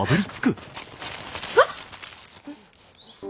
あっ！